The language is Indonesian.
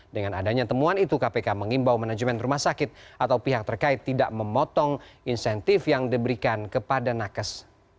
dengan adanya temuan itu kpk mengimbau manajemen rumah sakit atau pihak terkait tidak memotong insentif yang diberikan kepada nakes